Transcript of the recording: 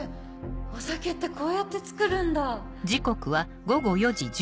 お酒ってこうやって造るんだ！